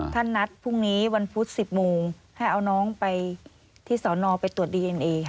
ท่านนัดพรุ่งนี้วันพุธ๑๐โมงให้เอาน้องไปที่สอนอไปตรวจดีเอ็นเอค่ะ